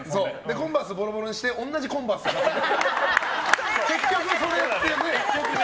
コンバース、ボロボロにして同じコンバースっていう。